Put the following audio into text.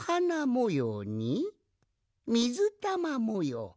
もようにみずたまもよう。